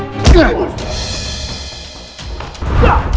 dartmouth kita belum akura kalian deh